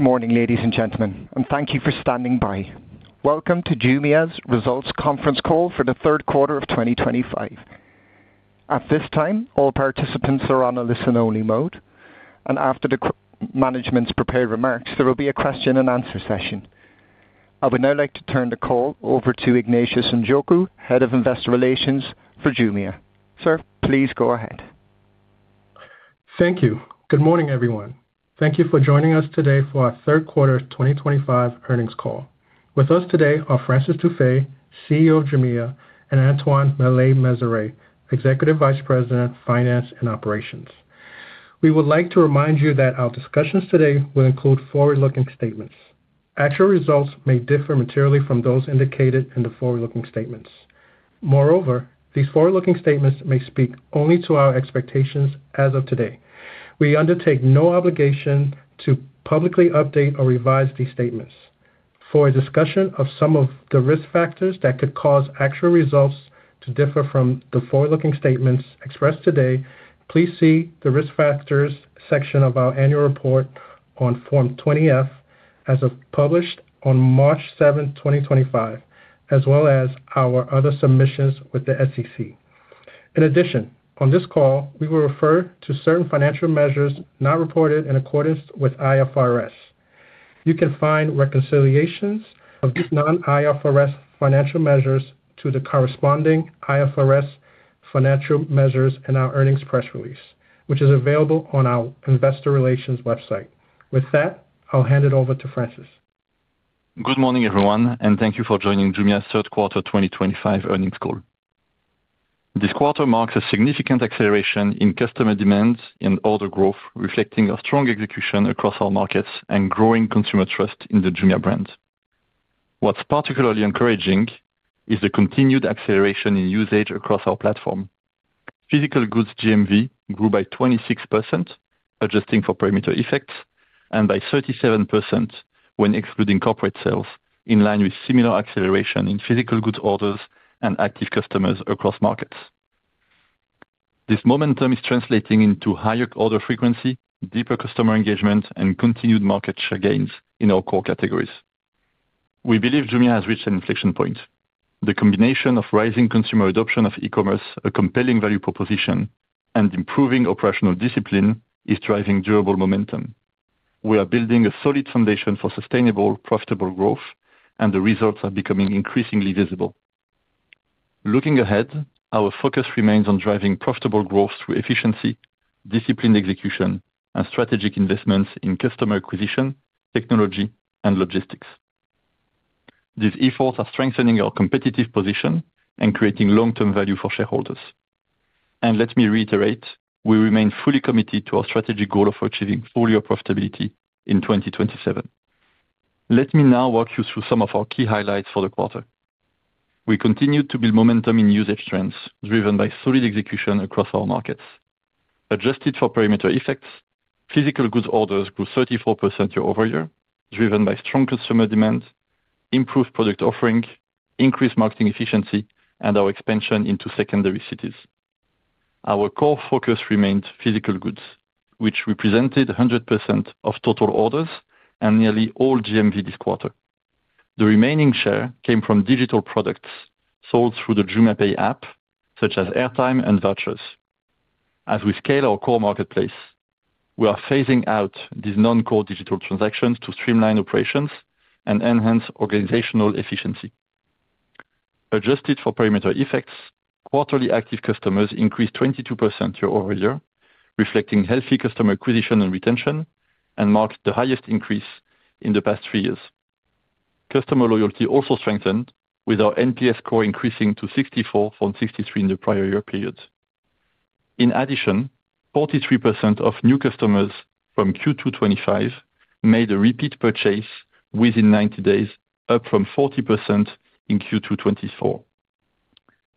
Morning, ladies and gentlemen, and thank you for standing by. Welcome to Jumia's results conference call for the third quarter of 2025. At this time, all participants are on a listen-only mode, and after the management's prepared remarks, there will be a question-and-answer session. I would now like to turn the call over to Ignatius Njoku, Head of Investor Relations for Jumia. Sir, please go ahead. Thank you. Good morning, everyone. Thank you for joining us today for our third quarter 2025 earnings call. With us today are Francis Dufay, CEO of Jumia, and Antoine Maillet-Mezeray, Executive Vice President, Finance and Operations. We would like to remind you that our discussions today will include forward-looking statements. Actual results may differ materially from those indicated in the forward-looking statements. Moreover, these forward-looking statements may speak only to our expectations as of today. We undertake no obligation to publicly update or revise these statements. For a discussion of some of the risk factors that could cause actual results to differ from the forward-looking statements expressed today, please see the risk factors section of our annual report on Form 20F, as published on March 7, 2025, as well as our other submissions with the SEC. In addition, on this call, we will refer to certain financial measures not reported in accordance with IFRS. You can find reconciliations of these non-IFRS financial measures to the corresponding IFRS financial measures in our earnings press release, which is available on our Investor Relations website. With that, I'll hand it over to Francis. Good morning, everyone, and thank you for joining Jumia's third quarter 2025 earnings call. This quarter marks a significant acceleration in customer demands and order growth, reflecting a strong execution across our markets and growing consumer trust in the Jumia brand. What's particularly encouraging is the continued acceleration in usage across our platform. Physical goods GMV grew by 26%, adjusting for perimeter effects, and by 37% when excluding corporate sales, in line with similar acceleration in physical goods orders and active customers across markets. This momentum is translating into higher order frequency, deeper customer engagement, and continued market share gains in our core categories. We believe Jumia has reached an inflection point. The combination of rising consumer adoption of e-commerce, a compelling value proposition, and improving operational discipline is driving durable momentum. We are building a solid foundation for sustainable, profitable growth, and the results are becoming increasingly visible. Looking ahead, our focus remains on driving profitable growth through efficiency, disciplined execution, and strategic investments in customer acquisition, technology, and logistics. These efforts are strengthening our competitive position and creating long-term value for shareholders. Let me reiterate, we remain fully committed to our strategic goal of achieving full year profitability in 2027. Let me now walk you through some of our key highlights for the quarter. We continued to build momentum in usage trends driven by solid execution across our markets. Adjusted for perimeter effects, physical goods orders grew 34% year-over-year, driven by strong consumer demand, improved product offering, increased marketing efficiency, and our expansion into secondary cities. Our core focus remained physical goods, which represented 100% of total orders and nearly all GMV this quarter. The remaining share came from digital products sold through the JumiaPay app, such as airtime and vouchers. As we scale our core marketplace, we are phasing out these non-core digital transactions to streamline operations and enhance organizational efficiency. Adjusted for perimeter effects, quarterly active customers increased 22% year-over-year, reflecting healthy customer acquisition and retention, and marked the highest increase in the past three years. Customer loyalty also strengthened, with our NPS score increasing to 64 from 63 in the prior year period. In addition, 43% of new customers from Q2 2025 made a repeat purchase within 90 days, up from 40% in Q2 2024.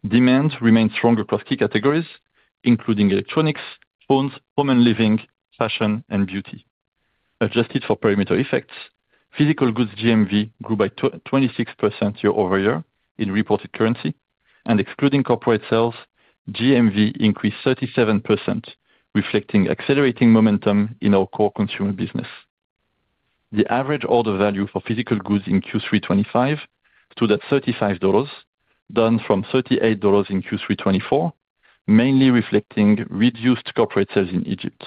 Demand remained strong across key categories, including electronics, phones, home and living, fashion, and beauty. Adjusted for perimeter effects, physical goods GMV grew by 26% year-over-year in reported currency, and excluding corporate sales, GMV increased 37%, reflecting accelerating momentum in our core consumer business. The average order value for physical goods in Q3 2025 stood at $35, down from $38 in Q3 2024, mainly reflecting reduced corporate sales in Egypt.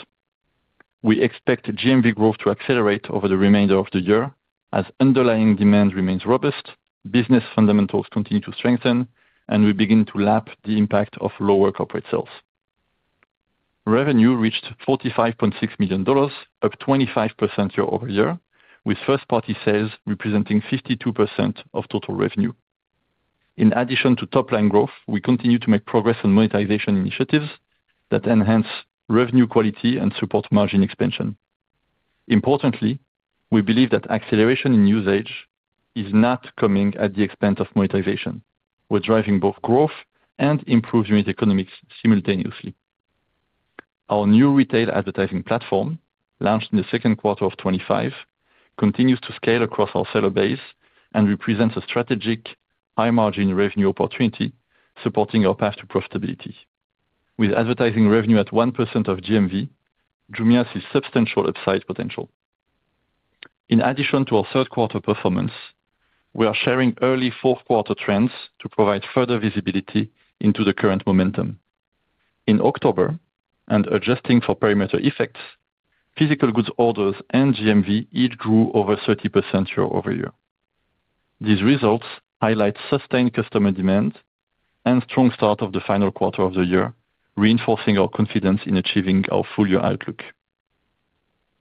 We expect GMV growth to accelerate over the remainder of the year as underlying demand remains robust, business fundamentals continue to strengthen, and we begin to lap the impact of lower corporate sales. Revenue reached $45.6 million, up 25% year-over-year, with first-party sales representing 52% of total revenue. In addition to top-line growth, we continue to make progress on monetization initiatives that enhance revenue quality and support margin expansion. Importantly, we believe that acceleration in usage is not coming at the expense of monetization. We're driving both growth and improved unit economics simultaneously. Our new retail advertising platform, launched in the second quarter of 2025, continues to scale across our seller base and represents a strategic high-margin revenue opportunity supporting our path to profitability. With advertising revenue at 1% of GMV, Jumia sees substantial upside potential. In addition to our third-quarter performance, we are sharing early fourth-quarter trends to provide further visibility into the current momentum. In October, and adjusting for perimeter effects, physical goods orders and GMV each grew over 30% year-over-year. These results highlight sustained customer demand and strong start of the final quarter of the year, reinforcing our confidence in achieving our full-year outlook.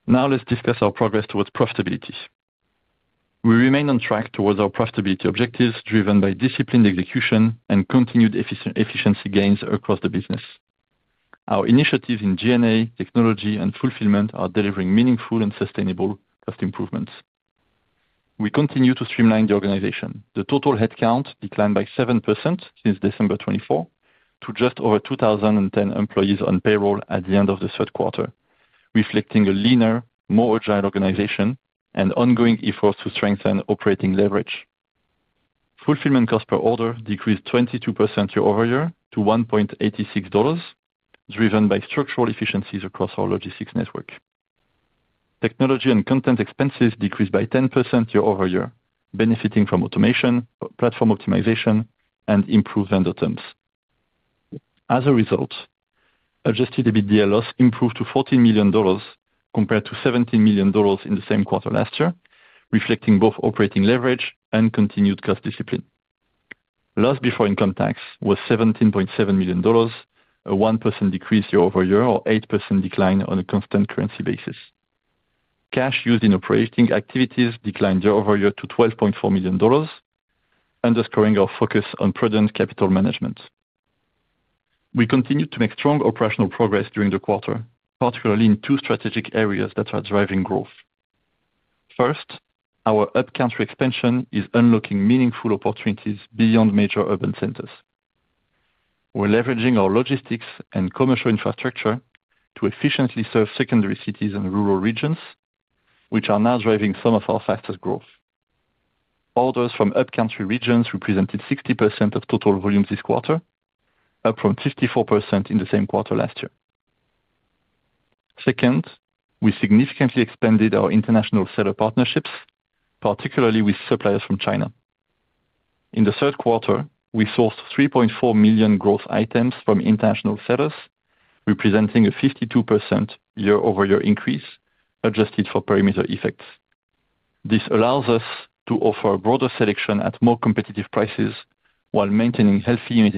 Now, let's discuss our progress towards profitability. We remain on track towards our profitability objectives, driven by disciplined execution and continued efficiency gains across the business. Our initiatives in GNA, technology, and fulfillment are delivering meaningful and sustainable cost improvements. We continue to streamline the organization. The total headcount declined by 7% since December 24 to just over 2,010 employees on payroll at the end of the third quarter, reflecting a leaner, more agile organization and ongoing efforts to strengthen operating leverage. Fulfillment cost per order decreased 22% year-over-year to $1.86, driven by structural efficiencies across our logistics network. Technology and content expenses decreased by 10% year-over-year, benefiting from automation, platform optimization, and improved vendor terms. As a result, adjusted EBITDA loss improved to $14 million compared to $17 million in the same quarter last year, reflecting both operating leverage and continued cost discipline. Loss before income tax was $17.7 million, a 1% decrease year-over-year or 8% decline on a constant currency basis. Cash used in operating activities declined year-over-year to $12.4 million, underscoring our focus on prudent capital management. We continue to make strong operational progress during the quarter, particularly in two strategic areas that are driving growth. First, our up-country expansion is unlocking meaningful opportunities beyond major urban centers. We're leveraging our logistics and commercial infrastructure to efficiently serve secondary cities and rural regions, which are now driving some of our fastest growth. Orders from up-country regions represented 60% of total volume this quarter, up from 54% in the same quarter last year. Second, we significantly expanded our international seller partnerships, particularly with suppliers from China. In the third quarter, we sourced 3.4 million growth items from international sellers, representing a 52% year-over-year increase adjusted for perimeter effects. This allows us to offer a broader selection at more competitive prices while maintaining healthy unit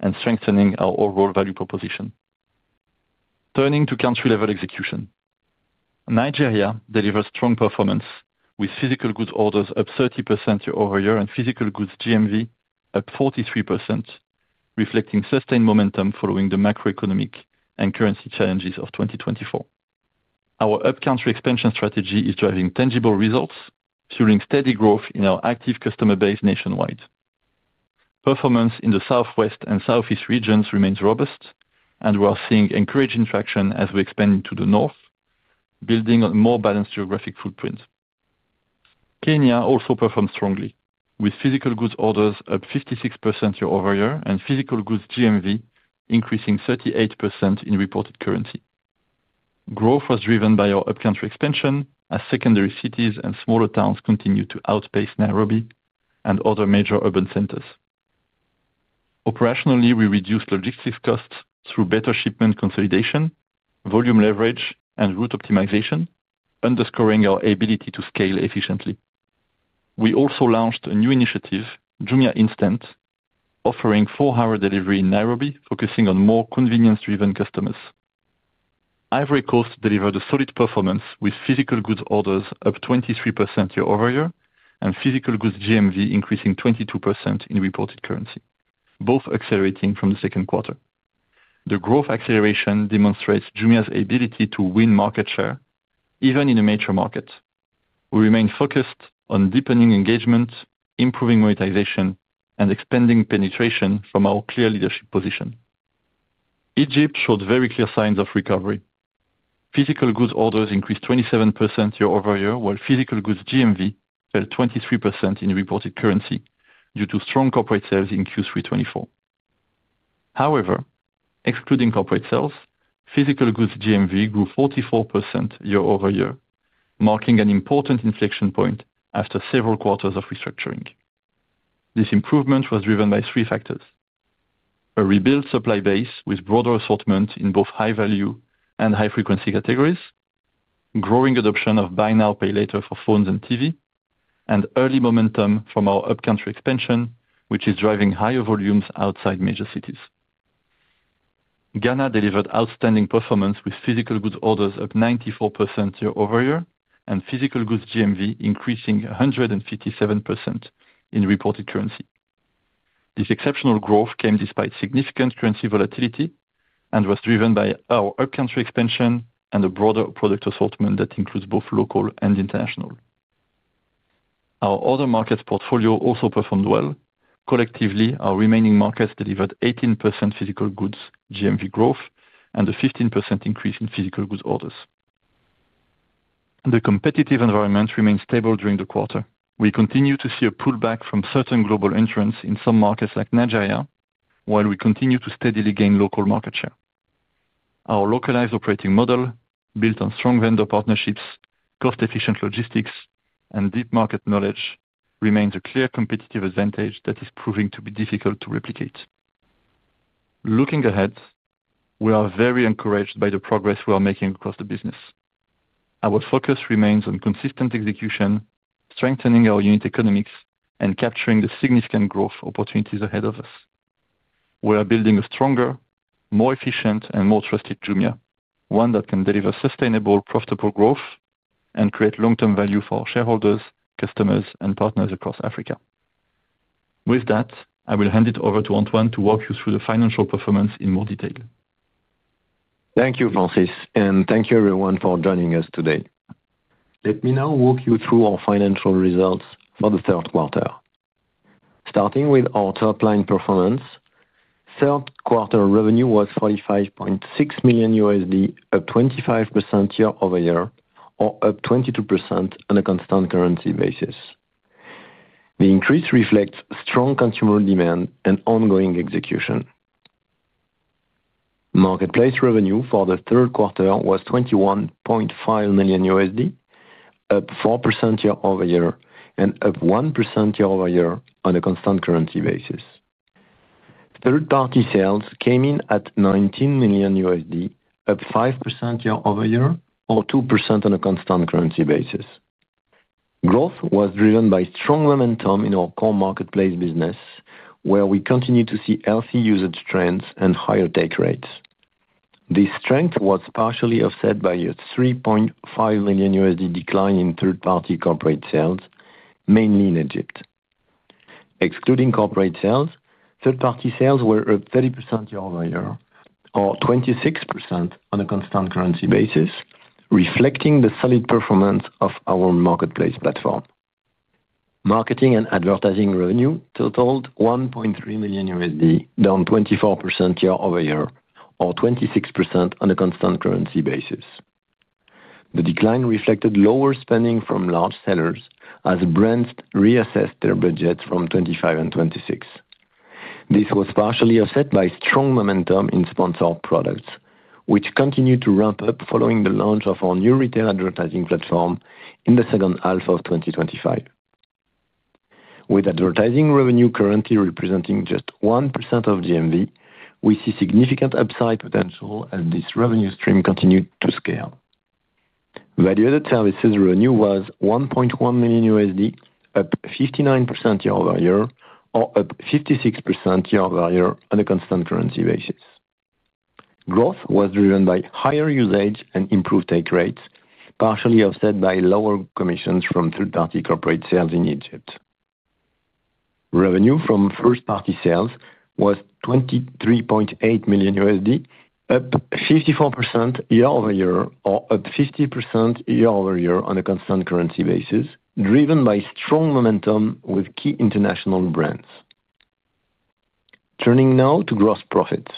economics and strengthening our overall value proposition. Turning to country-level execution, Nigeria delivers strong performance with physical goods orders up 30% year-over-year and physical goods GMV up 43%, reflecting sustained momentum following the macroeconomic and currency challenges of 2024. Our up-country expansion strategy is driving tangible results, fueling steady growth in our active customer base nationwide. Performance in the southwest and southeast regions remains robust, and we are seeing encouraging traction as we expand into the north, building a more balanced geographic footprint. Kenya also performed strongly, with physical goods orders up 56% year-over-year and physical goods GMV increasing 38% in reported currency. Growth was driven by our up-country expansion as secondary cities and smaller towns continued to outpace Nairobi and other major urban centers. Operationally, we reduced logistics costs through better shipment consolidation, volume leverage, and route optimization, underscoring our ability to scale efficiently. We also launched a new initiative, Jumia Instant, offering four-hour delivery in Nairobi, focusing on more convenience-driven customers. Ivory Coast delivered a solid performance with physical goods orders up 23% year-over-year and physical goods GMV increasing 22% in reported currency, both accelerating from the second quarter. The growth acceleration demonstrates Jumia's ability to win market share, even in a major market. We remain focused on deepening engagement, improving monetization, and expanding penetration from our clear leadership position. Egypt showed very clear signs of recovery. Physical goods orders increased 27% year-over-year, while physical goods GMV fell 23% in reported currency due to strong corporate sales in Q3 2024. However, excluding corporate sales, physical goods GMV grew 44% year-over-year, marking an important inflection point after several quarters of restructuring. This improvement was driven by three factors: a rebuilt supply base with broader assortment in both high-value and high-frequency categories, growing adoption of buy now, pay later for phones and TV, and early momentum from our up-country expansion, which is driving higher volumes outside major cities. Ghana delivered outstanding performance with physical goods orders up 94% year-over-year and physical goods GMV increasing 157% in reported currency. This exceptional growth came despite significant currency volatility and was driven by our up-country expansion and a broader product assortment that includes both local and international. Our other markets portfolio also performed well. Collectively, our remaining markets delivered 18% physical goods GMV growth and a 15% increase in physical goods orders. The competitive environment remained stable during the quarter. We continue to see a pullback from certain global entrants in some markets like Nigeria, while we continue to steadily gain local market share. Our localized operating model, built on strong vendor partnerships, cost-efficient logistics, and deep market knowledge, remains a clear competitive advantage that is proving to be difficult to replicate. Looking ahead, we are very encouraged by the progress we are making across the business. Our focus remains on consistent execution, strengthening our unit economics, and capturing the significant growth opportunities ahead of us. We are building a stronger, more efficient, and more trusted Jumia, one that can deliver sustainable, profitable growth and create long-term value for our shareholders, customers, and partners across Africa. With that, I will hand it over to Antoine to walk you through the financial performance in more detail. Thank you, Francis, and thank you, everyone, for joining us today. Let me now walk you through our financial results for the third quarter. Starting with our top-line performance, third-quarter revenue was $45.6 million, up 25% year-over-year, or up 22% on a constant currency basis. The increase reflects strong consumer demand and ongoing execution. Marketplace revenue for the third quarter was $21.5 million, up 4% year-over-year and up 1% year-over-year on a constant currency basis. Third-party sales came in at $19 million, up 5% year-over-year, or 2% on a constant currency basis. Growth was driven by strong momentum in our core marketplace business, where we continue to see healthy usage trends and higher take rates. This strength was partially offset by a $3.5 million decline in third-party corporate sales, mainly in Egypt. Excluding corporate sales, third-party sales were up 30% year-over-year, or 26% on a constant currency basis, reflecting the solid performance of our marketplace platform. Marketing and advertising revenue totaled $1.3 million, down 24% year-over-year, or 26% on a constant currency basis. The decline reflected lower spending from large sellers as brands reassessed their budgets from 2025 and 2026. This was partially offset by strong momentum in sponsored products, which continued to ramp up following the launch of our new retail advertising platform in the second half of 2025. With advertising revenue currently representing just 1% of GMV, we see significant upside potential as this revenue stream continued to scale. Value-added services revenue was $1.1 million, up 59% year-over-year, or up 56% year-over-year on a constant currency basis. Growth was driven by higher usage and improved take rates, partially offset by lower commissions from third-party corporate sales in Egypt. Revenue from first-party sales was $23.8 million, up 54% year-over-year, or up 50% year-over-year on a constant currency basis, driven by strong momentum with key international brands. Turning now to gross profit.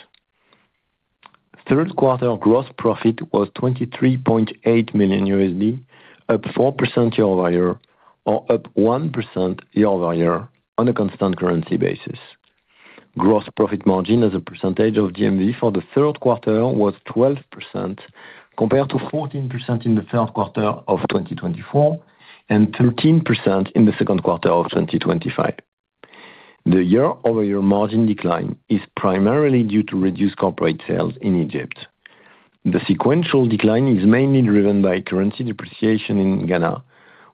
Third-quarter gross profit was $23.8 million, up 4% year-over-year, or up 1% year-over-year on a constant currency basis. Gross profit margin as a percentage of GMV for the third quarter was 12%, compared to 14% in the third quarter of 2024 and 13% in the second quarter of 2025. The year-over-year margin decline is primarily due to reduced corporate sales in Egypt. The sequential decline is mainly driven by currency depreciation in Ghana,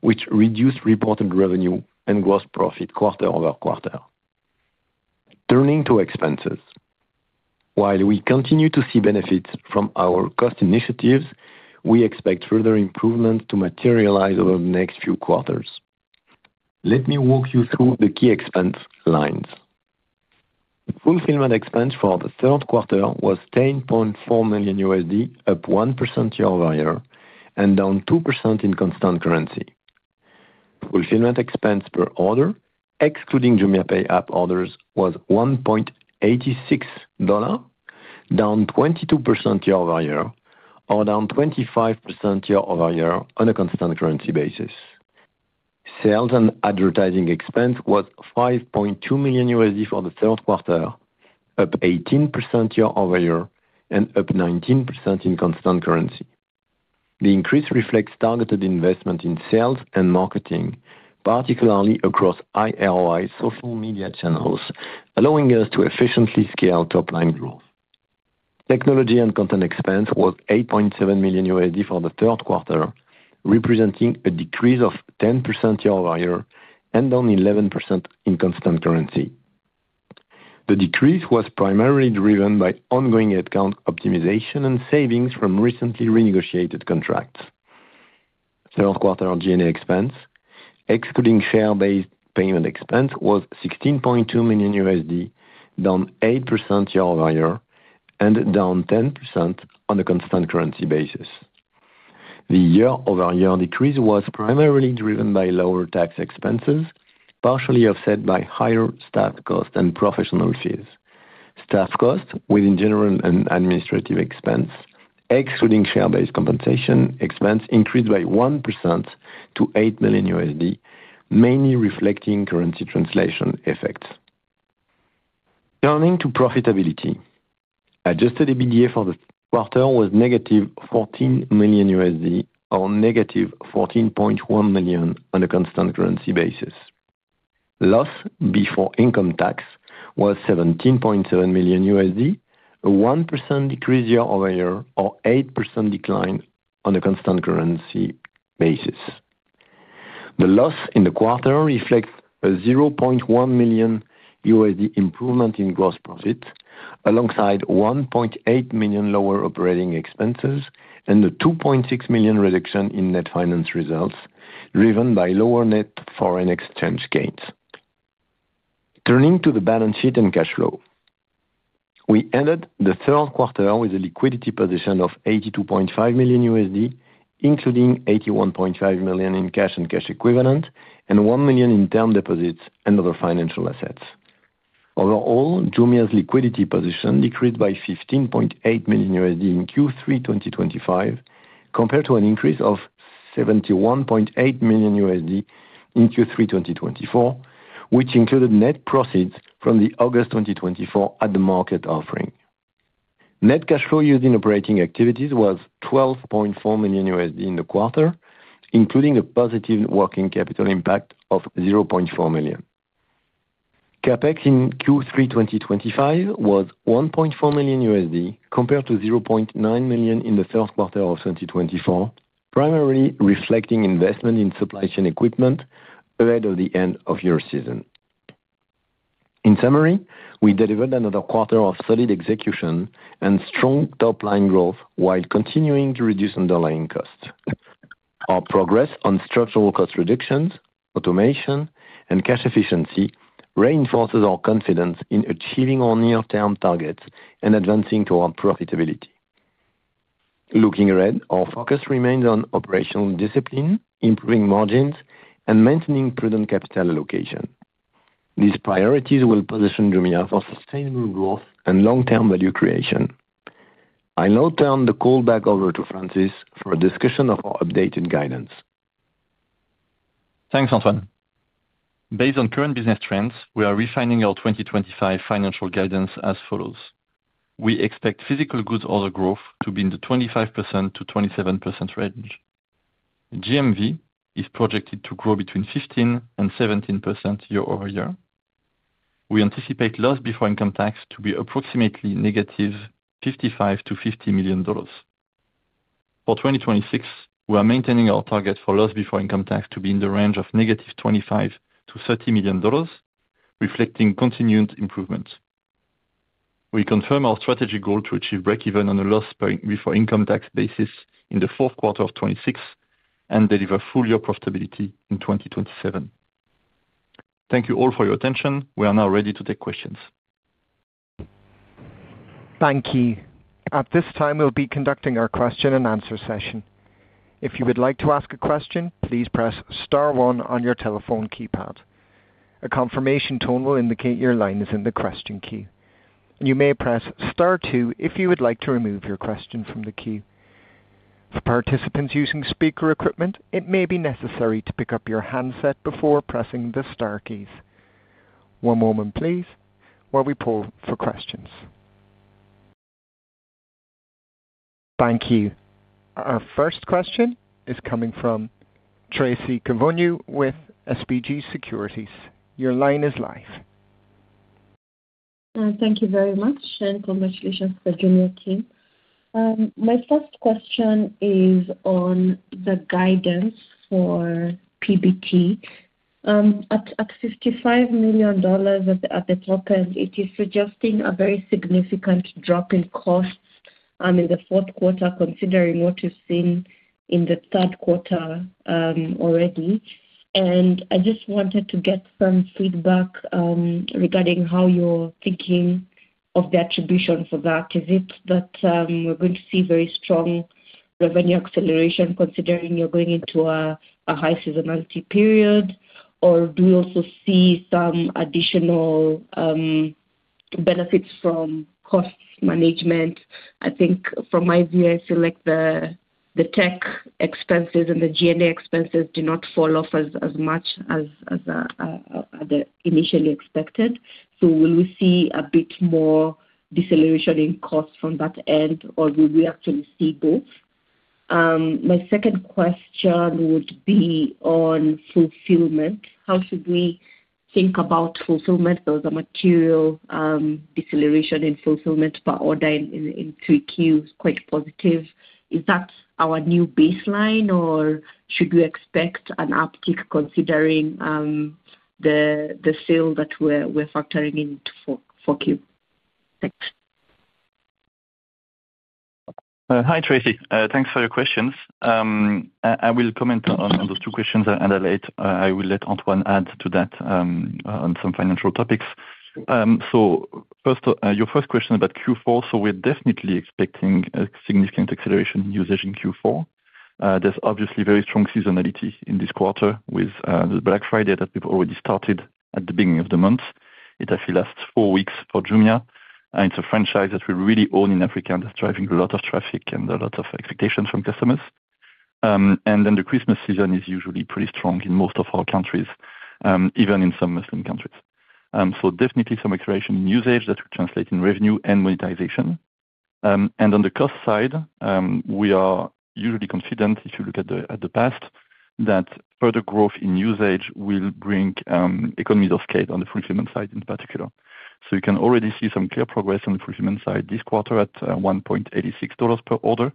which reduced reported revenue and gross profit quarter over quarter. Turning to expenses. While we continue to see benefits from our cost initiatives, we expect further improvements to materialize over the next few quarters. Let me walk you through the key expense lines. Fulfillment expense for the third quarter was $10.4 million, up 1% year-over-year and down 2% in constant currency. Fulfillment expense per order, excluding JumiaPay app orders, was $1.86, down 22% year-over-year, or down 25% year-over-year on a constant currency basis. Sales and advertising expense was $5.2 million for the third quarter, up 18% year-over-year and up 19% in constant currency. The increase reflects targeted investment in sales and marketing, particularly across ROI social media channels, allowing us to efficiently scale top-line growth. Technology and content expense was $8.7 million for the third quarter, representing a decrease of 10% year-over-year and down 11% in constant currency. The decrease was primarily driven by ongoing headcount optimization and savings from recently renegotiated contracts. Third-quarter G&A expense, excluding share-based payment expense, was $16.2 million, down 8% year-over-year and down 10% on a constant currency basis. The year-over-year decrease was primarily driven by lower tax expenses, partially offset by higher staff costs and professional fees. Staff costs, within general and administrative expense, excluding share-based compensation expense, increased by 1% to $8 million, mainly reflecting currency translation effects. Turning to profitability. Adjusted EBITDA for the quarter was negative $14 million, or negative $14.1 million on a constant currency basis. Loss before income tax was $17.7 million, a 1% decrease year-over-year, or 8% decline on a constant currency basis. The loss in the quarter reflects a $0.1 million improvement in gross profit, alongside $1.8 million lower operating expenses and a $2.6 million reduction in net finance results, driven by lower net foreign exchange gains. Turning to the balance sheet and cash flow. We ended the third quarter with a liquidity position of $82.5 million, including $81.5 million in cash and cash equivalent and $1 million in term deposits and other financial assets. Overall, Jumia's liquidity position decreased by $15.8 million in Q3 2025, compared to an increase of $71.8 million in Q3 2024, which included net proceeds from the August 2024 at the market offering. Net cash flow used in operating activities was $12.4 million in the quarter, including a positive working capital impact of $0.4 million. Capex in Q3 2025 was $1.4 million, compared to $0.9 million in the third quarter of 2024, primarily reflecting investment in supply chain equipment ahead of the end of year season. In summary, we delivered another quarter of solid execution and strong top-line growth while continuing to reduce underlying costs. Our progress on structural cost reductions, automation, and cash efficiency reinforces our confidence in achieving our near-term targets and advancing toward profitability. Looking ahead, our focus remains on operational discipline, improving margins, and maintaining prudent capital allocation. These priorities will position Jumia for sustainable growth and long-term value creation. I now turn the call back over to Francis for a discussion of our updated guidance. Thanks, Antoine. Based on current business trends, we are refining our 2025 financial guidance as follows. We expect physical goods order growth to be in the 25%-27% range. GMV is projected to grow between 15% and 17% year-over-year. We anticipate loss before income tax to be approximately negative $55 million to $50 million. For 2026, we are maintaining our target for loss before income tax to be in the range of negative $25 million to $30 million, reflecting continued improvement. We confirm our strategic goal to achieve break-even on a loss before income tax basis in the fourth quarter of 2026 and deliver full year profitability in 2027. Thank you all for your attention. We are now ready to take questions. Thank you. At this time, we'll be conducting our question and answer session. If you would like to ask a question, please press star one on your telephone keypad. A confirmation tone will indicate your line is in the question queue. You may press star two if you would like to remove your question from the queue. For participants using speaker equipment, it may be necessary to pick up your handset before pressing the star keys. One moment, please, while we pull for questions. Thank you. Our first question is coming from Tracy Kivunyu with SBG Securities. Your line is live. Thank you very much, and congratulations to the Jumia team. My first question is on the guidance for PBT. At $55 million at the top end, it is suggesting a very significant drop in costs in the fourth quarter, considering what we've seen in the third quarter already. I just wanted to get some feedback regarding how you're thinking of the attribution for that. Is it that we're going to see very strong revenue acceleration considering you're going into a high seasonality period, or do we also see some additional benefits from cost management? I think from my view, I feel like the tech expenses and the G&A expenses do not fall off as much as initially expected. So will we see a bit more deceleration in costs from that end, or will we actually see both? My second question would be on fulfillment. How should we think about fulfillment? There was a material deceleration in fulfillment per order in Q3, quite positive. Is that our new baseline, or should we expect an uptick considering the sale that we're factoring into for Q4? Thanks. Hi, Tracy. Thanks for your questions. I will comment on those two questions, and I will let Antoine add to that on some financial topics. Your first question about Q4, we're definitely expecting a significant acceleration in usage in Q4. There's obviously very strong seasonality in this quarter with the Black Friday that we've already started at the beginning of the month. It actually lasts four weeks for Jumia. It's a franchise that we really own in Africa and is driving a lot of traffic and a lot of expectations from customers. The Christmas season is usually pretty strong in most of our countries, even in some Muslim countries. Definitely some acceleration in usage that will translate in revenue and monetization. On the cost side, we are usually confident, if you look at the past, that further growth in usage will bring economies of scale on the fulfillment side in particular. You can already see some clear progress on the fulfillment side this quarter at $1.86 per order,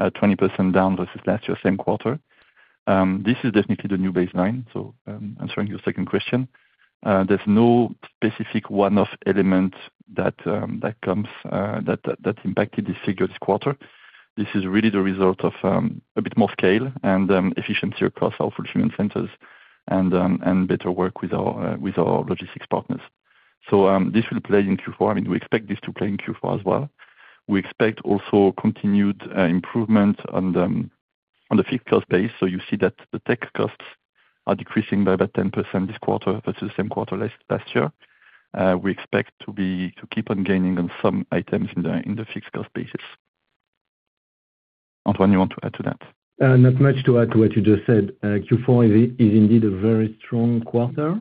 20% down versus last year's same quarter. This is definitely the new baseline. Answering your second question, there is no specific one-off element that impacted this figure this quarter. This is really the result of a bit more scale and efficiency across our fulfillment centers and better work with our logistics partners. This will play in Q4. I mean, we expect this to play in Q4 as well. We expect also continued improvement on the fixed cost base. You see that the tech costs are decreasing by about 10% this quarter versus the same quarter last year. We expect to keep on gaining on some items in the fixed cost basis. Antoine, you want to add to that? Not much to add to what you just said. Q4 is indeed a very strong quarter,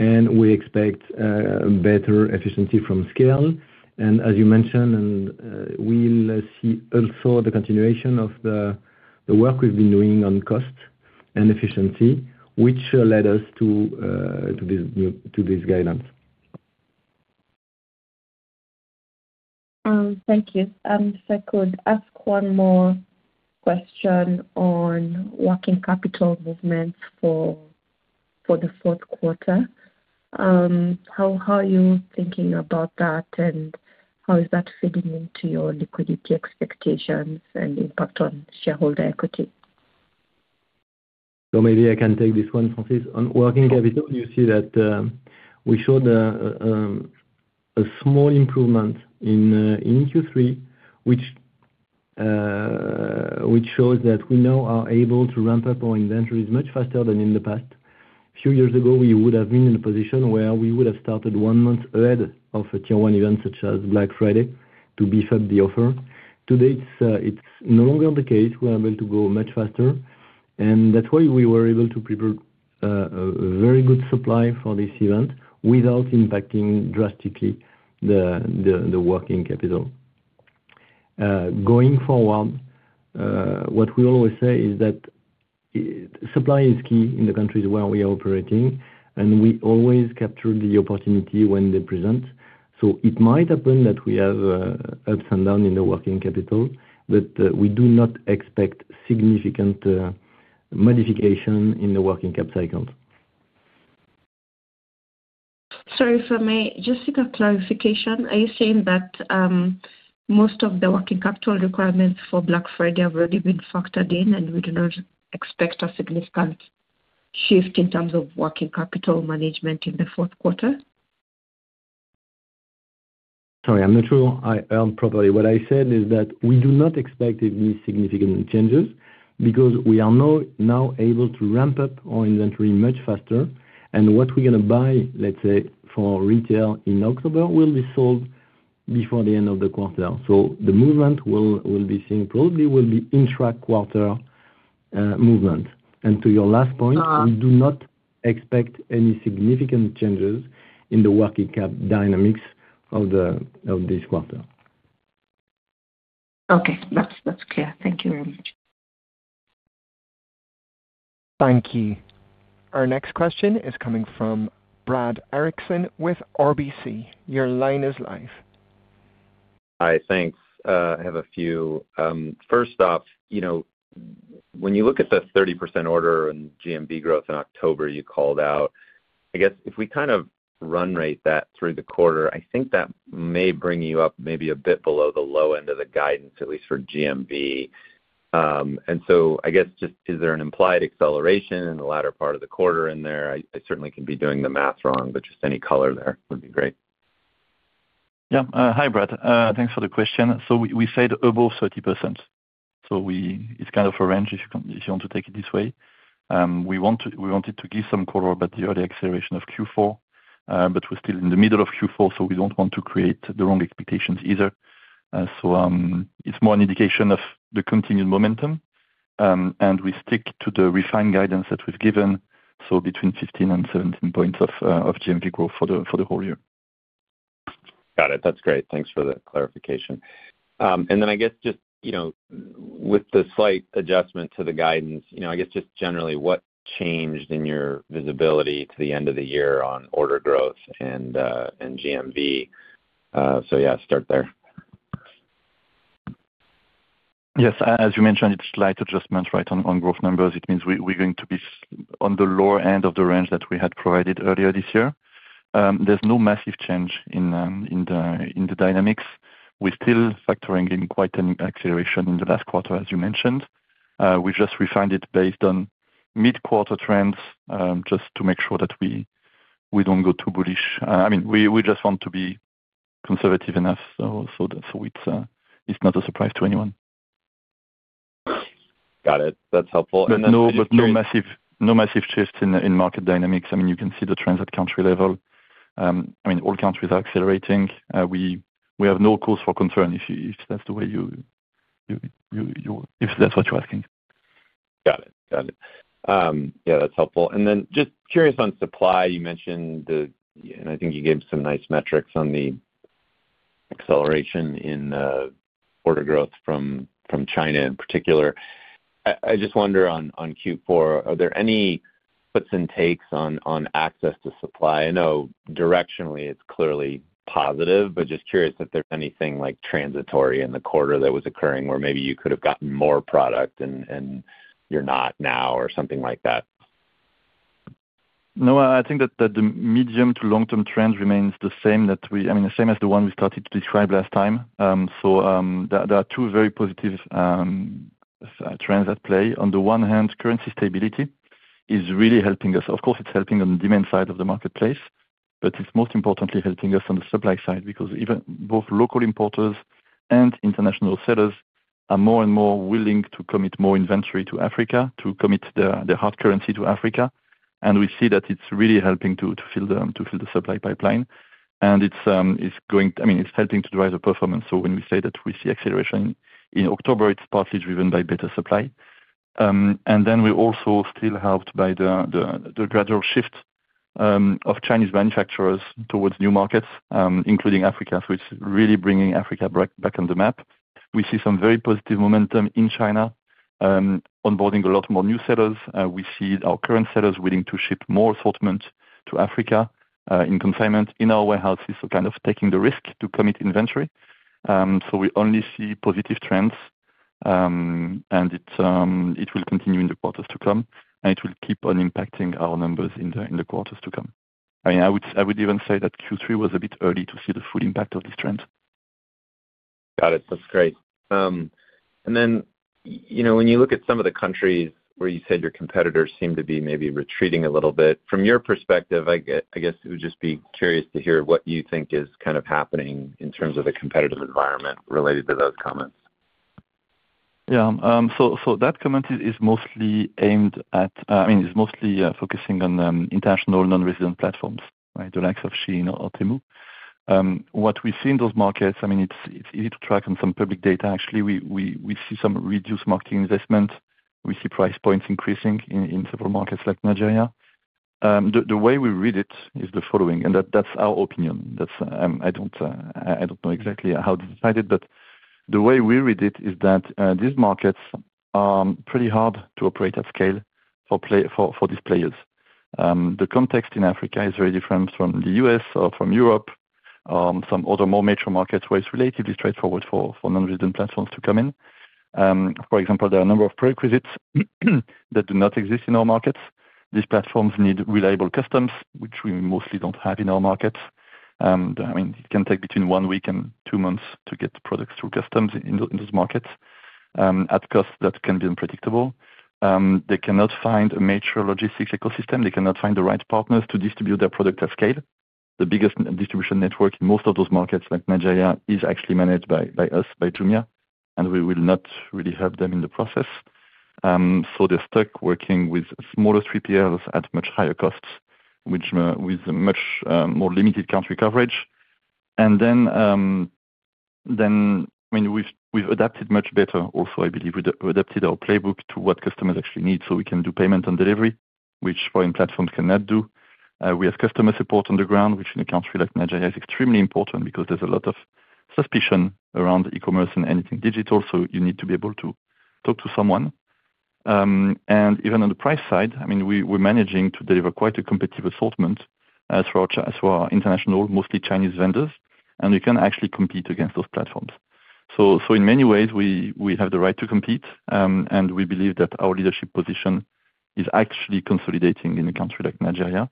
and we expect better efficiency from scale. As you mentioned, we will see also the continuation of the work we have been doing on cost and efficiency, which led us to this guidance. Thank you. If I could ask one more question on working capital movements for the fourth quarter. How are you thinking about that, and how is that fitting into your liquidity expectations and impact on shareholder equity? Maybe I can take this one, Francis. On working capital, you see that we showed a small improvement in Q3, which shows that we now are able to ramp up our inventories much faster than in the past. A few years ago, we would have been in a position where we would have started one month ahead of a tier one event such as Black Friday to beef up the offer. Today, it's no longer the case. We're able to go much faster, and that's why we were able to prepare a very good supply for this event without impacting drastically the working capital. Going forward, what we always say is that supply is key in the countries where we are operating, and we always capture the opportunity when they present. It might happen that we have ups and downs in the working capital, but we do not expect significant modification in the working capital cycles. Sorry, if I may just seek a clarification. Are you saying that most of the working capital requirements for Black Friday have already been factored in, and we do not expect a significant shift in terms of working capital management in the fourth quarter? Sorry, I'm not sure I am properly. What I said is that we do not expect any significant changes because we are now able to ramp up our inventory much faster, and what we're going to buy, let's say, for retail in October will be sold before the end of the quarter. The movement we'll be seeing probably will be intra-quarter movement. To your last point, we do not expect any significant changes in the working cap dynamics of this quarter. Okay, that's clear. Thank you very much. Thank you. Our next question is coming from Brad Erickson with RBC. Your line is live. Hi, thanks. I have a few. First off, when you look at the 30% order and GMV growth in October you called out, I guess if we kind of run rate that through the quarter, I think that may bring you up maybe a bit below the low end of the guidance, at least for GMV. And so I guess just, is there an implied acceleration in the latter part of the quarter in there? I certainly can be doing the math wrong, but just any color there would be great. Yeah. Hi, Brad. Thanks for the question. So we said above 30%. So it is kind of a range if you want to take it this way. We wanted to give some color about the early acceleration of Q4, but we are still in the middle of Q4, so we do not want to create the wrong expectations either. It's more an indication of the continued momentum, and we stick to the refined guidance that we've given. Between 15% and 17% of GMV growth for the whole year. Got it. That's great. Thanks for the clarification. I guess just with the slight adjustment to the guidance, just generally, what changed in your visibility to the end of the year on order growth and GMV? Start there. Yes. As we mentioned, it's a slight adjustment, right, on growth numbers. It means we're going to be on the lower end of the range that we had provided earlier this year. There's no massive change in the dynamics. We're still factoring in quite an acceleration in the last quarter, as you mentioned. We just refined it based on mid-quarter trends just to make sure that we don't go too bullish. I mean, we just want to be conservative enough, so it's not a surprise to anyone. Got it. That's helpful. No massive shifts in market dynamics. I mean, you can see the trends at country level. I mean, all countries are accelerating. We have no cause for concern if that's what you're asking. Got it. Got it. Yeah, that's helpful. Just curious on supply, you mentioned the, and I think you gave some nice metrics on the acceleration in order growth from China in particular. I just wonder on Q4, are there any puts and takes on access to supply? I know directionally, it's clearly positive, but just curious if there's anything transitory in the quarter that was occurring where maybe you could have gotten more product and you're not now or something like that. No, I think that the medium to long-term trend remains the same that we, I mean, the same as the one we started to describe last time. There are two very positive trends at play. On the one hand, currency stability is really helping us. Of course, it is helping on the demand side of the marketplace, but it is most importantly helping us on the supply side because even both local importers and international sellers are more and more willing to commit more inventory to Africa, to commit their hard currency to Africa. We see that it is really helping to fill the supply pipeline. It is helping to drive the performance. When we say that we see acceleration in October, it is partly driven by better supply. We are also still helped by the gradual shift of Chinese manufacturers towards new markets, including Africa. It's really bringing Africa back on the map. We see some very positive momentum in China, onboarding a lot more new sellers. We see our current sellers willing to ship more assortment to Africa in consignment in our warehouses. Kind of taking the risk to commit inventory. We only see positive trends, and it will continue in the quarters to come, and it will keep on impacting our numbers in the quarters to come. I mean, I would even say that Q3 was a bit early to see the full impact of this trend. Got it. That's great. When you look at some of the countries where you said your competitors seem to be maybe retreating a little bit, from your perspective, I guess it would just be curious to hear what you think is kind of happening in terms of the competitive environment related to those comments. Yeah. That comment is mostly aimed at, I mean, is mostly focusing on international non-resident platforms, right, the likes of Shein or Temu. What we see in those markets, I mean, it's easy to track on some public data. Actually, we see some reduced marketing investment. We see price points increasing in several markets like Nigeria. The way we read it is the following, and that's our opinion. I don't know exactly how this is decided, but the way we read it is that these markets are pretty hard to operate at scale for these players. The context in Africa is very different from the U.S. or from Europe. Some other more major markets where it's relatively straightforward for non-resident platforms to come in. For example, there are a number of prerequisites that do not exist in our markets. These platforms need reliable customs, which we mostly don't have in our markets. I mean, it can take between one week and two months to get products through customs in those markets at costs that can be unpredictable. They cannot find a major logistics ecosystem. They cannot find the right partners to distribute their product at scale. The biggest distribution network in most of those markets, like Nigeria, is actually managed by us, by Jumia, and we will not really help them in the process. They're stuck working with smaller 3PLs at much higher costs, with much more limited country coverage. I mean, we've adapted much better also. I believe we adapted our playbook to what customers actually need so we can do payment and delivery, which foreign platforms cannot do. We have customer support on the ground, which in a country like Nigeria is extremely important because there's a lot of suspicion around e-commerce and anything digital. You need to be able to talk to someone. Even on the price side, I mean, we're managing to deliver quite a competitive assortment through our international, mostly Chinese vendors, and we can actually compete against those platforms. In many ways, we have the right to compete, and we believe that our leadership position is actually consolidating in a country like Nigeria.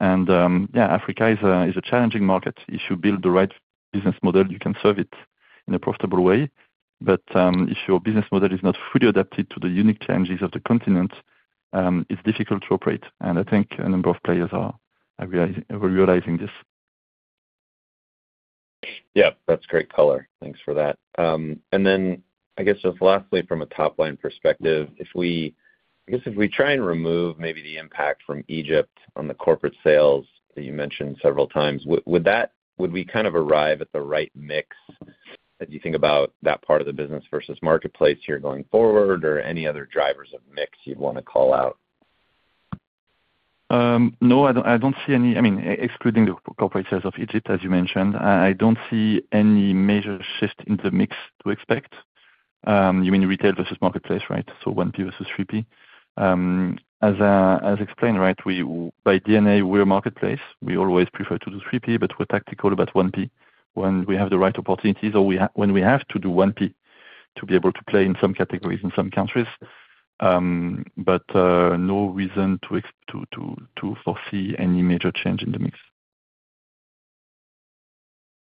Africa is a challenging market. If you build the right business model, you can serve it in a profitable way. If your business model is not fully adapted to the unique challenges of the continent, it's difficult to operate. I think a number of players are realizing this. Yeah, that's great color. Thanks for that. I guess just lastly, from a top-line perspective, if we try and remove maybe the impact from Egypt on the corporate sales that you mentioned several times, would we kind of arrive at the right mix as you think about that part of the business versus marketplace here going forward, or any other drivers of mix you'd want to call out? No, I don't see any. I mean, excluding the corporate sales of Egypt, as you mentioned, I don't see any major shift in the mix to expect. You mean retail versus marketplace, right? So 1P versus 3P. As explained, right, by DNA, we're a marketplace. We always prefer to do 3P, but we're tactical about 1P when we have the right opportunities or when we have to do 1P to be able to play in some categories in some countries. No reason to foresee any major change in the mix.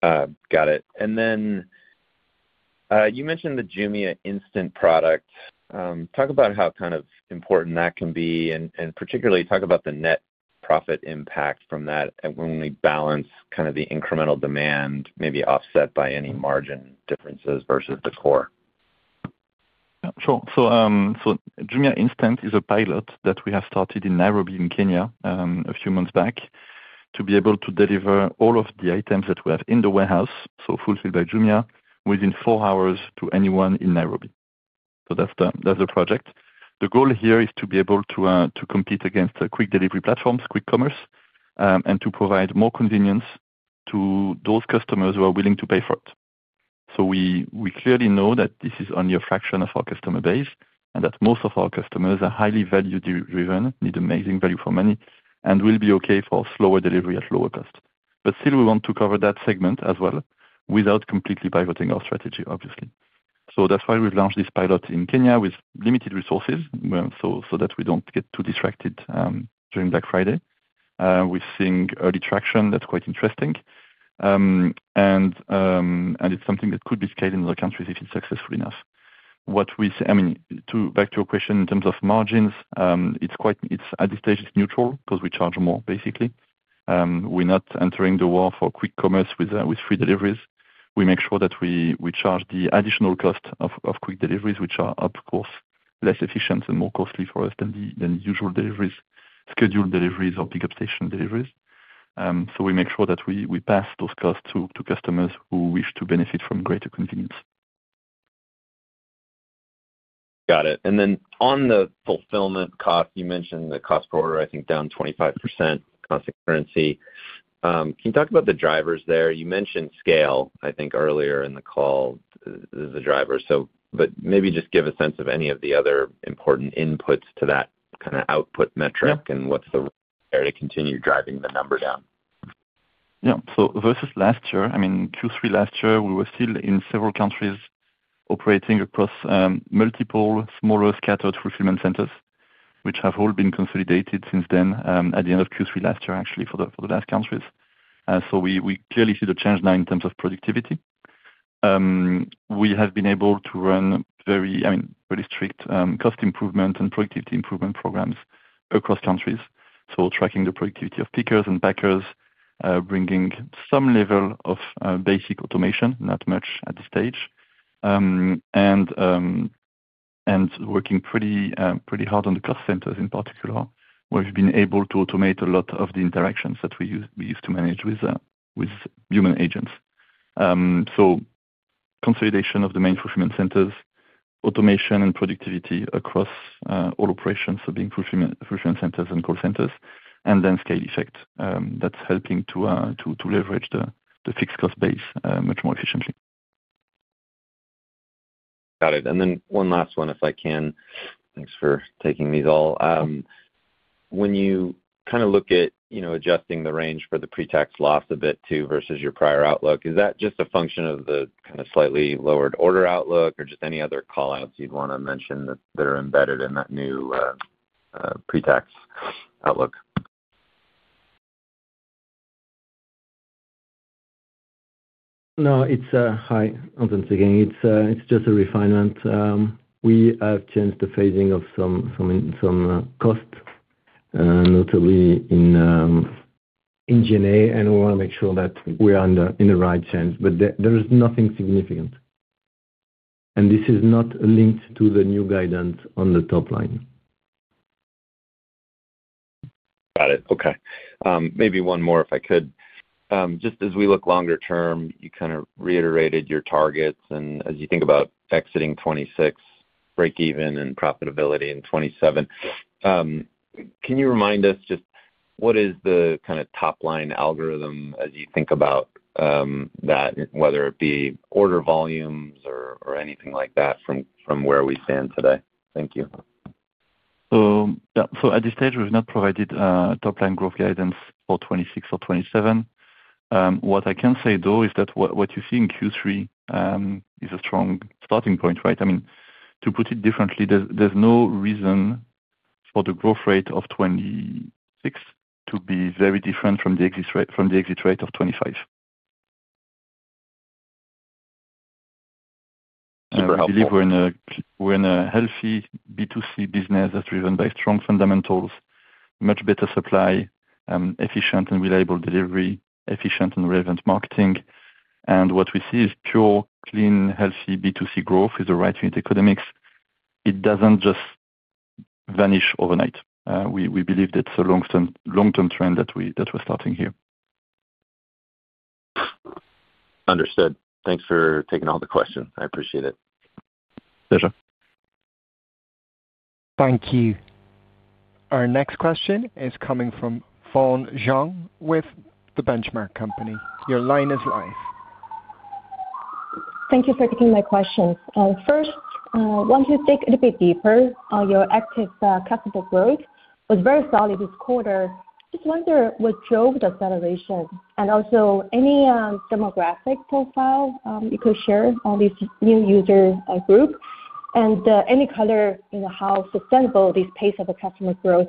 Got it. You mentioned the Jumia Instant product. Talk about how kind of important that can be, and particularly talk about the net profit impact from that when we balance kind of the incremental demand, maybe offset by any margin differences versus the core. Sure. Jumia Instant is a pilot that we have started in Nairobi, in Kenya, a few months back to be able to deliver all of the items that we have in the warehouse, so fulfilled by Jumia, within four hours to anyone in Nairobi. That's the project. The goal here is to be able to compete against quick delivery platforms, quick commerce, and to provide more convenience to those customers who are willing to pay for it. We clearly know that this is only a fraction of our customer base and that most of our customers are highly value-driven, need amazing value for money, and will be okay for slower delivery at lower cost. Still, we want to cover that segment as well without completely pivoting our strategy, obviously. That is why we have launched this pilot in Kenya with limited resources so that we do not get too distracted during Black Friday. We are seeing early traction. That is quite interesting. It is something that could be scaled in other countries if it is successful enough. What we say, I mean, back to your question in terms of margins, it's at this stage, it's neutral because we charge more, basically. We're not entering the war for quick commerce with free deliveries. We make sure that we charge the additional cost of quick deliveries, which are, of course, less efficient and more costly for us than the usual deliveries, scheduled deliveries or pickup station deliveries. We make sure that we pass those costs to customers who wish to benefit from greater convenience. Got it. And then on the fulfillment cost, you mentioned the cost per order, I think, down 25%, constant currency. Can you talk about the drivers there? You mentioned scale, I think, earlier in the call as a driver. Maybe just give a sense of any of the other important inputs to that kind of output metric and what's the role there to continue driving the number down. Yeah. Versus last year, I mean, Q3 last year, we were still in several countries operating across multiple smaller scattered fulfillment centers, which have all been consolidated since then at the end of Q3 last year, actually, for the last countries. We clearly see the change now in terms of productivity. We have been able to run very, I mean, pretty strict cost improvement and productivity improvement programs across countries. Tracking the productivity of pickers and packers, bringing some level of basic automation, not much at this stage, and working pretty hard on the cost centers in particular, we've been able to automate a lot of the interactions that we used to manage with human agents. Consolidation of the main fulfillment centers, automation and productivity across all operations, so being fulfillment centers and call centers, and then scale effect. That is helping to leverage the fixed cost base much more efficiently. Got it. One last one, if I can. Thanks for taking these all. When you kind of look at adjusting the range for the pre-tax loss a bit too versus your prior outlook, is that just a function of the kind of slightly lowered order outlook or just any other callouts you would want to mention that are embedded in that new pre-tax outlook? No, it is high. Once again, it is just a refinement. We have changed the phasing of some costs, notably in Jumia, and we want to make sure that we are in the right change. There is nothing significant. This is not linked to the new guidance on the top line. Got it. Okay. Maybe one more, if I could. Just as we look longer term, you kind of reiterated your targets. As you think about exiting 2026, breakeven and profitability in 2027, can you remind us just what is the kind of top-line algorithm as you think about that, whether it be order volumes or anything like that from where we stand today? Thank you. At this stage, we've not provided top-line growth guidance for 2026 or 2027. What I can say, though, is that what you see in Q3 is a strong starting point, right? I mean, to put it differently, there's no reason for the growth rate of 2026 to be very different from the exit rate of 2025. Super helpful. I believe we're in a healthy B2C business that's driven by strong fundamentals, much better supply, efficient and reliable delivery, efficient and relevant marketing. What we see is pure, clean, healthy B2C growth is the right unit economics. It doesn't just vanish overnight. We believe that's a long-term trend that we're starting here. Understood. Thanks for taking all the questions. I appreciate it. Pleasure. Thank you. Our next question is coming from Qingyu Zhong with the Benchmark Company. Your line is live. Thank you for taking my questions. First, I want to dig a bit deeper. Your active customer growth was very solid this quarter. Just wonder what drove the acceleration and also any demographic profile you could share on this new user group and any color in how sustainable this pace of the customer growth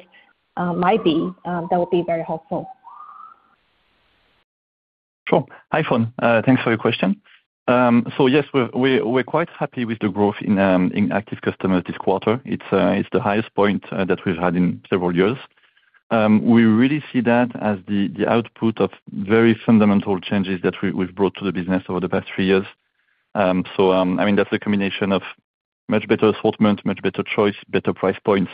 might be. That would be very helpful. Sure. Hi Phone. Thanks for your question. So yes, we're quite happy with the growth in active customers this quarter. It's the highest point that we've had in several years. We really see that as the output of very fundamental changes that we've brought to the business over the past three years. So I mean, that's a combination of much better assortment, much better choice, better price points,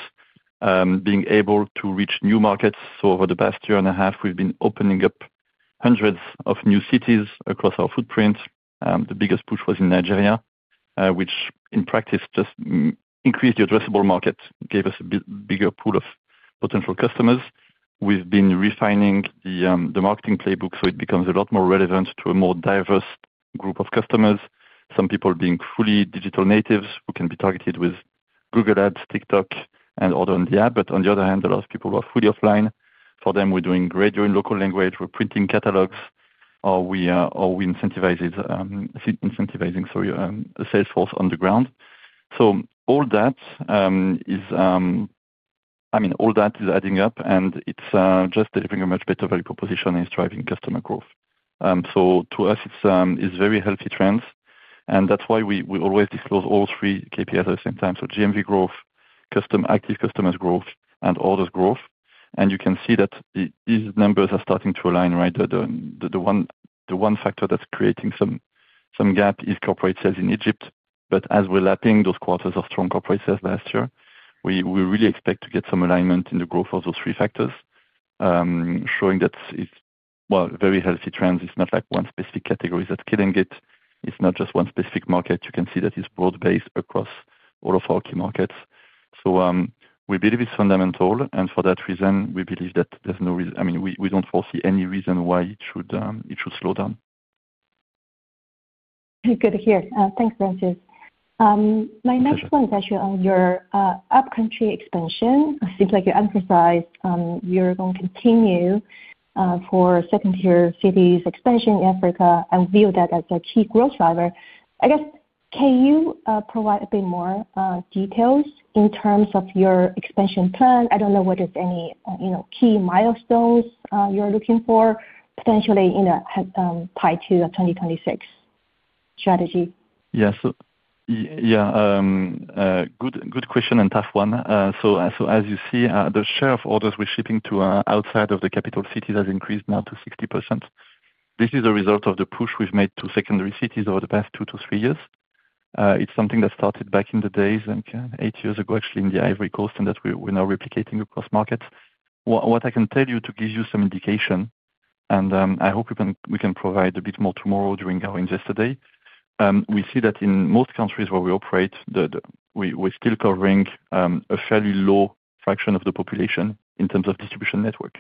being able to reach new markets. Over the past year and a half, we've been opening up hundreds of new cities across our footprint. The biggest push was in Nigeria, which in practice just increased the addressable market, gave us a bigger pool of potential customers. We've been refining the marketing playbook so it becomes a lot more relevant to a more diverse group of customers, some people being fully digital natives who can be targeted with Google Ads, TikTok, and order on the app. On the other hand, a lot of people are fully offline. For them, we're doing radio in local language. We're printing catalogs, or we're incentivizing the salesforce on the ground. All that is, I mean, all that is adding up, and it's just delivering a much better value proposition and is driving customer growth. To us, it's very healthy trends. That's why we always disclose all three KPIs at the same time: GMV growth, active customers growth, and orders growth. You can see that these numbers are starting to align, right? The one factor that's creating some gap is corporate sales in Egypt. As we're lapping those quarters of strong corporate sales last year, we really expect to get some alignment in the growth of those three factors, showing that it's, well, very healthy trends. It's not like one specific category that's killing it. It's not just one specific market. You can see that it's broad-based across all of our key markets. We believe it's fundamental. For that reason, we believe that there's no reason—I mean, we don't foresee any reason why it should slow down. Good to hear. Thanks, Francis. My next one is actually on your up-country expansion. It seems like you emphasized you're going to continue for second-tier cities expansion in Africa and view that as a key growth driver. I guess, can you provide a bit more details in terms of your expansion plan? I don't know whether it's any key milestones you're looking for, potentially tied to a 2026 strategy. Yes. Yeah. Good question and tough one. As you see, the share of orders we're shipping to outside of the capital cities has increased now to 60%. This is a result of the push we've made to secondary cities over the past two to three years. It's something that started back in the days, eight years ago, actually, in the Ivory Coast, and that we're now replicating across markets. What I can tell you to give you some indication, and I hope we can provide a bit more tomorrow during our investor day, we see that in most countries where we operate, we're still covering a fairly low fraction of the population in terms of distribution network.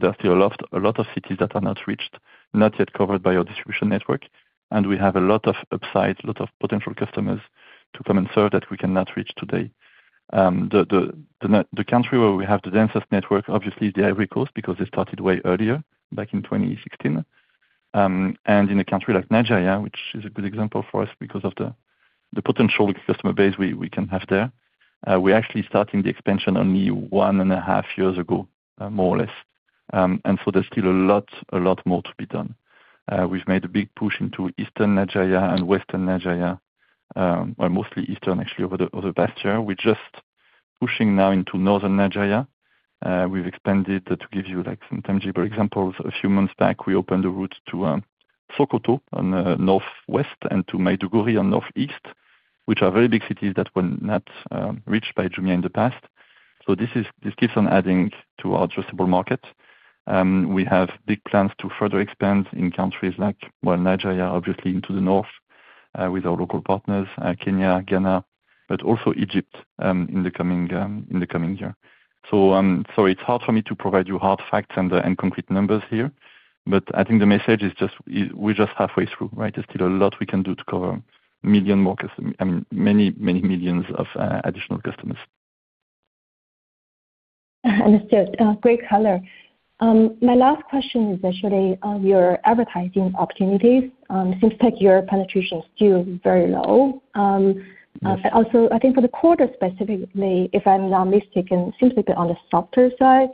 There are still a lot of cities that are not reached, not yet covered by our distribution network. We have a lot of upside, a lot of potential customers to come and serve that we cannot reach today. The country where we have the densest network, obviously, is the Ivory Coast because it started way earlier, back in 2016. In a country like Nigeria, which is a good example for us because of the potential customer base we can have there, we actually started the expansion only one and a half years ago, more or less. There is still a lot more to be done. We've made a big push into eastern Nigeria and western Nigeria, mostly eastern, actually, over the past year. We're just pushing now into northern Nigeria. We've expanded, to give you some tangible examples, a few months back, we opened the route to Sokoto on the northwest and to Maiduguri on the northeast, which are very big cities that were not reached by Jumia in the past. This keeps on adding to our addressable market. We have big plans to further expand in countries like Nigeria, obviously, into the north with our local partners, Kenya, Ghana, but also Egypt in the coming year. Sorry, it's hard for me to provide you hard facts and concrete numbers here. I think the message is just we're just halfway through, right? There's still a lot we can do to cover a million more customers, I mean, many, many millions of additional customers. Understood. Great color. My last question is actually on your advertising opportunities. It seems like your penetration is still very low. Also, I think for the quarter specifically, if I'm not mistaken, it seems a bit on the softer side.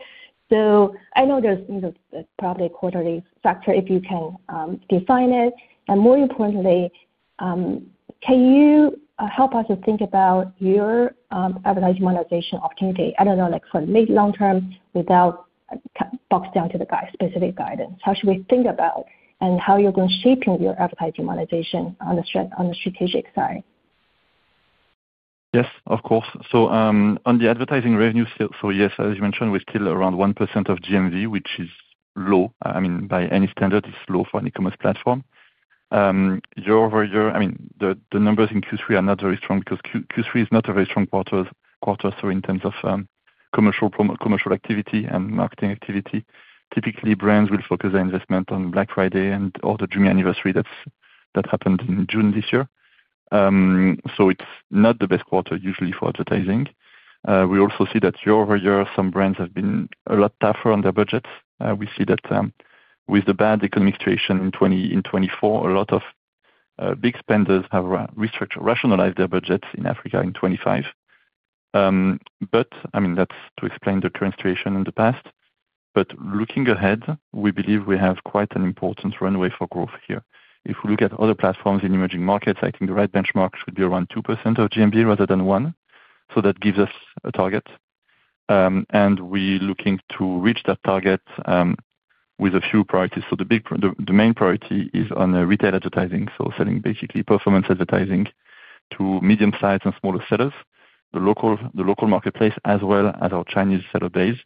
I know there's probably a quarterly factor if you can define it. More importantly, can you help us to think about your advertising monetization opportunity? I don't know, for the mid-long term, without boxed down to the specific guidance. How should we think about and how you're going to shape your advertising monetization on the strategic side? Yes, of course. On the advertising revenue, yes, as you mentioned, we're still around 1% of GMV, which is low. I mean, by any standard, it's low for an e-commerce platform. Year-over-year, the numbers in Q3 are not very strong because Q3 is not a very strong quarter in terms of commercial activity and marketing activity. Typically, brands will focus their investment on Black Friday and all the Jumia anniversary that happened in June this year. It is not the best quarter, usually, for advertising. We also see that year-over-year, some brands have been a lot tougher on their budgets. We see that with the bad economic situation in 2024, a lot of big spenders have rationalized their budgets in Africa in 2025. I mean, that is to explain the current situation in the past. Looking ahead, we believe we have quite an important runway for growth here. If we look at other platforms in emerging markets, I think the right benchmark should be around 2% of GMV rather than 1%. That gives us a target. We are looking to reach that target with a few priorities. The main priority is on retail advertising, so selling basically performance advertising to medium-sized and smaller sellers, the local marketplace, as well as our Chinese seller base.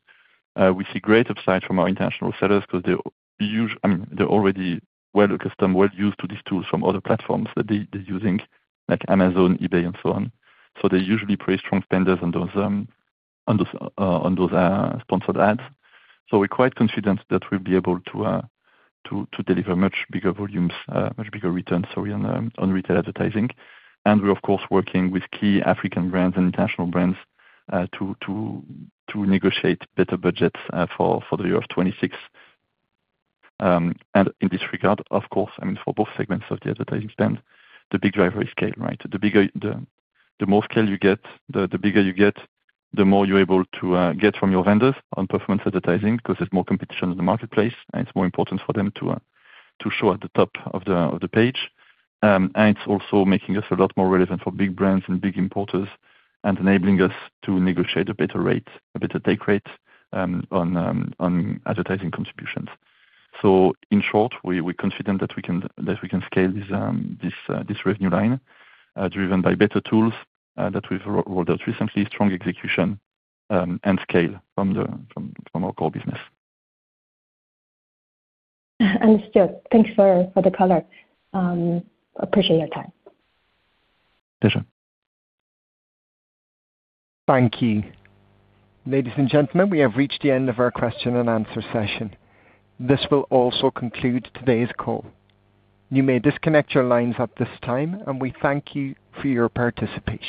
We see great upside from our international sellers because they're already well accustomed, well used to these tools from other platforms that they're using, like Amazon, eBay, and so on. They're usually pretty strong spenders on those sponsored ads. We're quite confident that we'll be able to deliver much bigger volumes, much bigger returns, sorry, on retail advertising. We're, of course, working with key African brands and international brands to negotiate better budgets for the year of 2026. In this regard, of course, I mean, for both segments of the advertising spend, the big driver is scale, right? The more scale you get, the bigger you get, the more you're able to get from your vendors on performance advertising because there's more competition in the marketplace, and it's more important for them to show at the top of the page. It's also making us a lot more relevant for big brands and big importers and enabling us to negotiate a better rate, a better take rate on advertising contributions. In short, we're confident that we can scale this revenue line driven by better tools that we've rolled out recently, strong execution, and scale from our core business. Understood. Thanks for the color. Appreciate your time. Pleasure. Thank you. Ladies and gentlemen, we have reached the end of our question and answer session. This will also conclude today's call. You may disconnect your lines at this time, and we thank you for your participation.